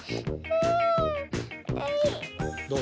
どう？